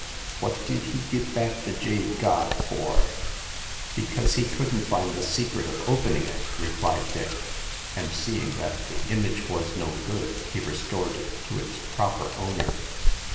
What did he give back the jade god for ?"Because he couldn't find the secret of open ing it," replied Dick ;" and seeing that the image was no good, he restored it to its proper owner."